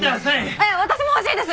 えっ私も欲しいです！